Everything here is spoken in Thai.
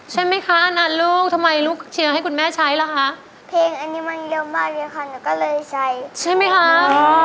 ใช่ไหมคะอันนั้นลูกทำไมลูกเชียร์ให้คุณแม่ใช้ล่ะคะ